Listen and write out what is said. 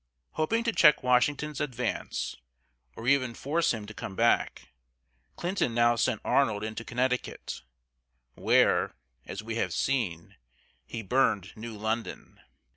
Hoping to check Washington's advance, or even force him to come back, Clinton now sent Arnold into Connecticut, where, as we have seen, he burned New London.